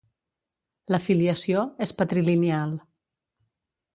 La filiació és patrilineal.